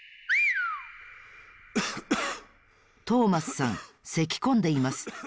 トーマスさんせきこんでいます。